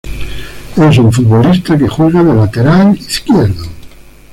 Es un futbolista que juega de lateral izquierdo.